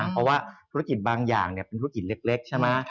เพราะว่าธุรกิจบางอย่างเป็นธุรกิจเล็กใช่ไหม